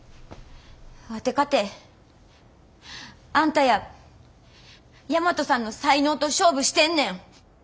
ワテかてあんたや大和さんの才能と勝負してんねん。